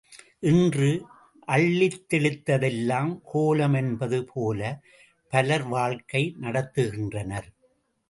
இன்று, அள்ளித் தெளித்த தெல்லாம் கோலம் என்பது போல பலர் வாழ்க்கை நடத்துகின்றனர்.